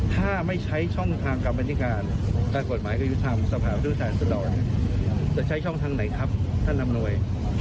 ถ้าไม่ใช้ช่องทางการบันทิการการกฎหมายการยุทธธรรมสภาผู้แทนรัฐธรรมจะใช้ช่องทางไหนครับท่านนำนวย